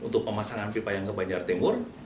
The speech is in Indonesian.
dengan pipa yang ke banjar timur